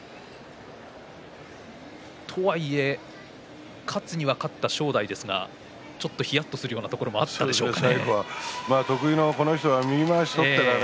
とはいえ勝つには勝った正代ですがちょっとひやっとするようなところもあったでしょうかね。